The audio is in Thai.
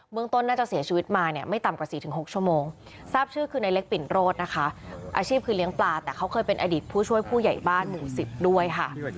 ต้นน่าจะเสียชีวิตมาเนี่ยไม่ต่ำกว่า๔๖ชั่วโมงทราบชื่อคือในเล็กปิ่นโรดนะคะอาชีพคือเลี้ยงปลาแต่เขาเคยเป็นอดีตผู้ช่วยผู้ใหญ่บ้านหมู่๑๐ด้วยค่ะ